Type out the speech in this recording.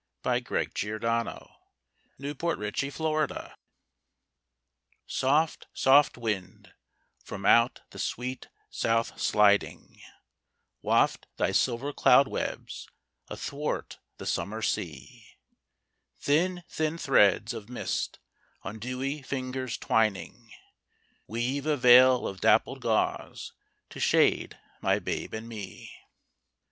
From The Water Babies. 1862 THE SUMMER SEA Soft soft wind, from out the sweet south sliding, Waft thy silver cloud webs athwart the summer sea; Thin thin threads of mist on dewy fingers twining Weave a veil of dappled gauze to shade my babe and me.